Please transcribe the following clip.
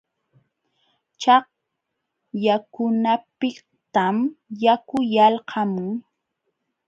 Chaqyakunapiqtam yaku yalqamun.